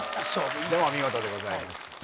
・お見事でございます